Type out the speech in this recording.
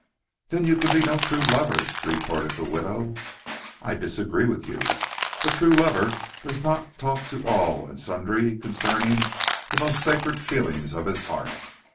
"Then you can be no true lover," retorted the widow. "I disagree with you. A true lover does not talk to all and sundry concerning the most sacred feelings of his heart.